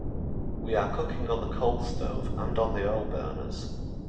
We are cooking on the coal stove and on the oil burners.